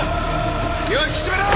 気を引き締めろ！